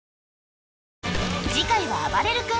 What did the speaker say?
次回はあばれる君